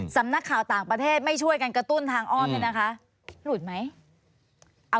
สำนักข่าวต่างประเทศไม่ช่วยกันกระตุ้นทางอ้อมเนี่ยนะคะหลุดไหม